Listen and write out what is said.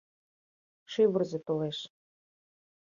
Шӱвырзӧ толеш.